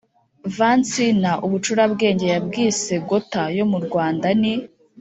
vansina ubucurabwenge yabwise "gotha" yo mu rwanda: ni